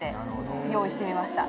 用意してみました。